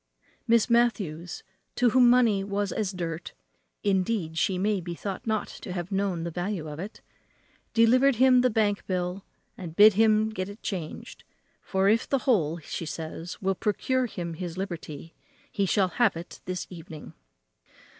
Miss Matthews, to whom money was as dirt (indeed she may be thought not to have known the value of it), delivered him the bank bill, and bid him get it changed; for if the whole, says she, will procure him his liberty, he shall have it this evening.